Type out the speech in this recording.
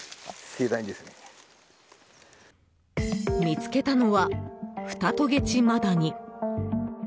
見つけたのはフタトゲチマダニ。